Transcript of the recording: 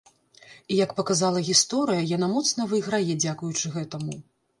І, як паказала гісторыя, яна моцна выйграе дзякуючы гэтаму.